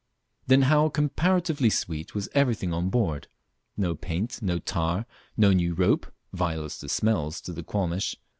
Then, how comparatively sweet was everything on board no paint, no tar, no new rope, (vilest of smells to the qualmish!)